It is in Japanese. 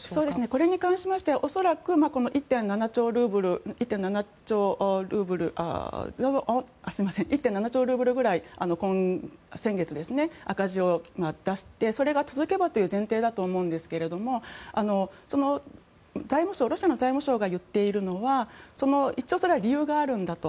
これに関しては１．７兆ルーブルぐらい先月、赤字を出してそれが続けばという前提だと思うんですがロシアの財務省が言っているのは一応それは理由があるんだと。